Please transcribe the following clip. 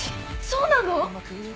そうなの！？